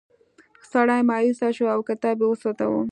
سړی مایوسه شو او کتاب یې وسوځاوه.